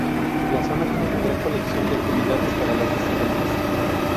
La zona tiene una gran colección de actividades para los visitantes.